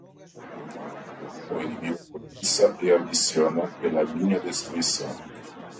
O inimigo cobiça e ambiciona pela minha destruição